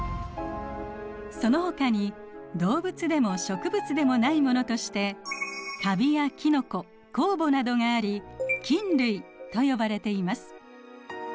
そのほかに動物でも植物でもないものとしてカビやキノコ酵母などがあり菌類と呼ばれています。